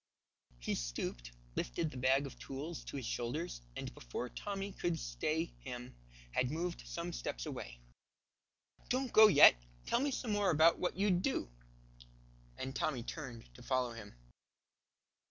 He stooped, lifted the bag of tools to his shoulders, and before Tommy could stay him had moved some steps away. "Don't go yet, tell me some more about what you'd do," and Tommy turned to follow him.